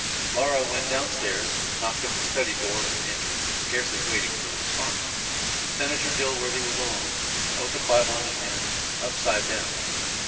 Laura went down stairs, knocked at/the study door, and entered, scarcely waiting for the response. Senator Dilworthy was alone with an open Bible in his hand, upside down.